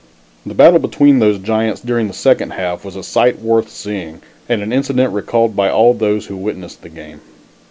The battle between those giants during the second half was a sight worth seeing and an incident recalled by all those who witnessed the game.